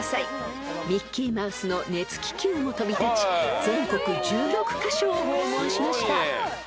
［ミッキーマウスの熱気球も飛び立ち全国１６カ所を訪問しました］